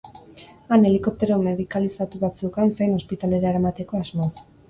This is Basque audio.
Han helikoptero medikalizatu bat zeukan zain ospitalera eramateko asmoz.